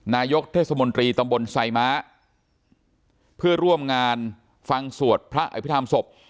นายกเทศมนตรีตำบลไซม้าเพื่อร่วมงานฟังสวดพระอภิษฐรรมศพ